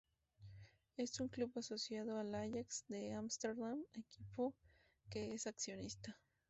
Es un club asociado al Ajax de Ámsterdam, equipo que es accionista.